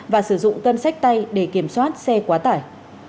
và sử dụng cân sách tay để kiểm soát xe quá tải